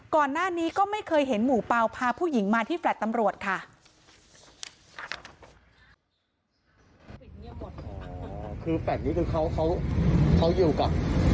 ก่อนหน้านี้ก็ไม่เคยเห็นหมู่เปล่าพาผู้หญิงมาที่แฟลต์ตำรวจค่ะ